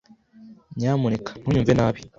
Nyamuneka ntunyumve nabi